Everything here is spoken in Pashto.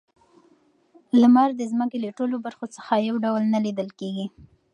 لمر د ځمکې له ټولو برخو څخه یو ډول نه لیدل کیږي.